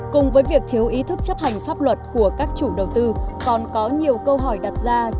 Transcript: cùng với việc thiếu ý thức chấp hành pháp luật của các chủ đầu tư còn có nhiều câu hỏi đặt ra